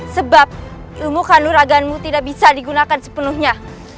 sebab umuh kandung ragaanmu tidak bisa digunakan sepenuhnya